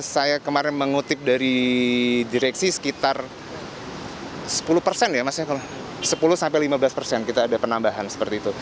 saya kemarin mengutip dari direksi sekitar sepuluh ya sepuluh sampai lima belas kita ada penambahan seperti itu